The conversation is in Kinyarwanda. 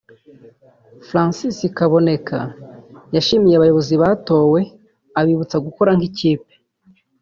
Francis Kaboneka yashimiye abayobozi batowe abibutsa gukora nk’ikipe